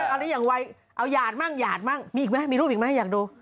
เอาหรืออย่างวัยเอาหยาดมั่งหยาดมั่งมีอีกไหมมีรูปอีกไหมอยากดู